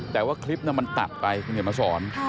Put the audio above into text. แต่ว่าคลิปนั้นมันตัดไปมันอยู่มาสอน